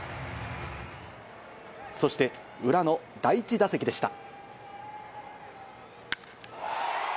そして裏の第１打席でした。